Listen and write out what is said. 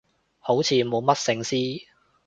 好似冇乜聖詩